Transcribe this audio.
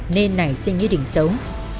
nên nảy sinh như đỉnh sống